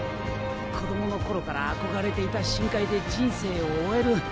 子供の頃から憧れていた深海で人生を終える。